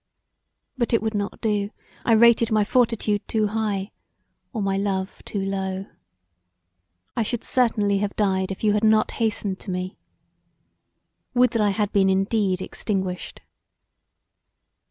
But it would not do: I rated my fortitude too high, or my love too low. I should certainly have died if you had not hastened to me. Would that I had been indeed extinguished!